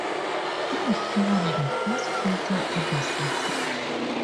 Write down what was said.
He was probably the first printer in the city.